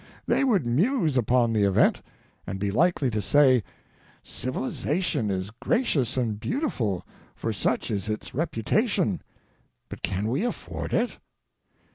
They would muse upon the event, and be likely to say : "Civilization is gracious and beautiful, for such is its repu tation ; but can we afford it